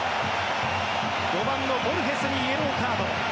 ５番のボルヘスにイエローカード。